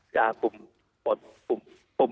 กลุ่ม